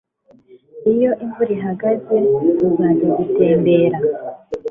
Iyo imvura ihagaze tuzajya gutembera